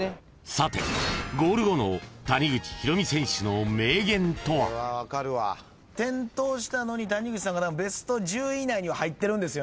［さてゴール後の谷口浩美選手の名言とは？］転倒したのに谷口さんがベスト１０以内には入ってるんです。